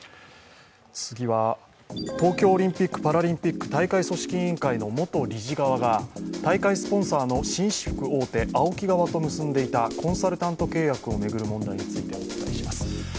次は、東京オリンピック・パラリンピック大会組織委員会の元理事側が大会スポンサーの紳士服大手ＡＯＫＩ側と結んでいたコンサルタント契約を巡る問題についてお伝えします。